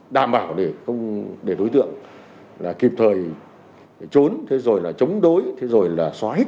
đảm bảo để đối tượng kịp thời trốn chống đối xóa hết